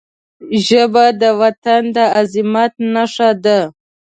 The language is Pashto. ژبه د وطن د عظمت نښه ده